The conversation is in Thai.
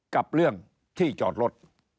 กับเรื่องที่จอดรถ